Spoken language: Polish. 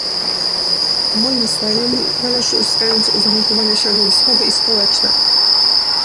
Moim zdaniem należy uwzględnić uwarunkowania środowiskowe i społeczne